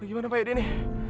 eh gimana pak yadi ini